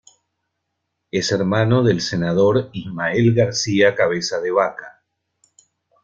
Es hermano del senador Ismael García Cabeza de Vaca.